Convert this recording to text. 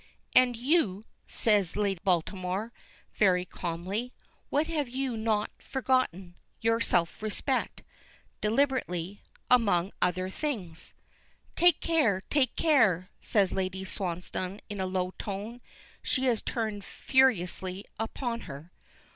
"And you," says Lady Baltimore, very calmly, "what have you not forgotten your self respect," deliberately, "among other things." "Take care; take care!" says Lady Swansdown in a low tone. She has turned furiously upon her.